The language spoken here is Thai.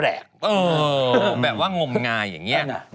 แบบว่างมงายอย่างนี้นะ